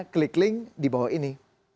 klik link di bawah ini